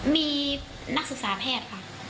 มีนักศึกษาแพทย์ค่ะ